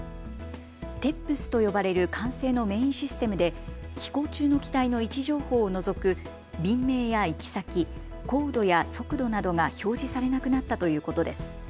ＴＥＰＳと呼ばれる管制のメインシステムで飛行中の機体の位置情報を除く便名や行き先、高度や速度などが表示されなくなったということです。